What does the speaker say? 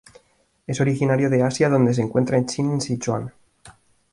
Es originario de Asia donde se encuentra en China en Sichuan.